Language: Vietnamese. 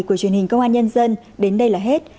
của truyền hình công an nhân dân đến đây là hết